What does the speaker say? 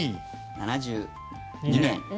７２年。